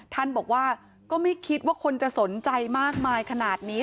ท่านบอกว่าก็ไม่คิดว่าคนจะสนใจมากมายขนาดนี้